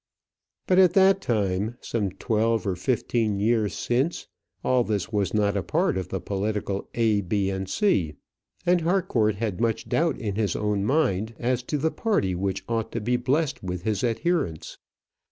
But at that time some twelve or fifteen years since all this was not a part of the political A B C; and Harcourt had much doubt in his own mind as to the party which ought to be blessed with his adherence.